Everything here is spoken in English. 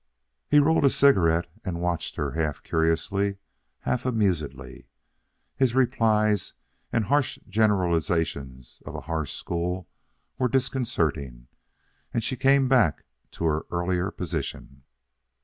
He rolled a cigarette and watched her half curiously, half amusedly. His replies and harsh generalizations of a harsh school were disconcerting, and she came back to her earlier position.